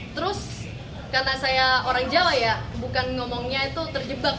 terus karena saya orang jawa ya bukan ngomongnya itu terjebak